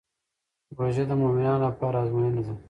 روژه د مؤمنانو لپاره ازموینه ده.